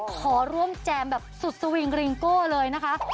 ขอร่วมแจมแบบสุดสวิงริงโก้เลยนะคะ